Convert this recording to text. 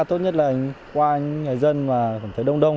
tốt nhất là qua những người dân mà cảm thấy đông đông